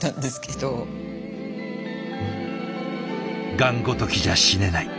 「がんごときじゃ死ねない」